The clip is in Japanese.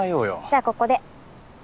じゃあここで。